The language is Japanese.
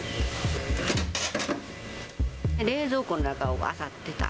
冷蔵庫の中をあさってた。